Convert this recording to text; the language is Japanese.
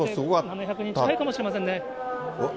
７００人近いかもしれませんね。